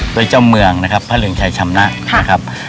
โดยเจ้าเมืองพระเรืองชายชำนะ